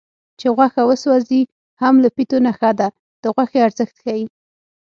چې غوښه وسوځي هم له پیتو نه ښه ده د غوښې ارزښت ښيي